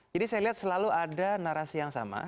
jadi saya lihat selalu ada narasi yang sama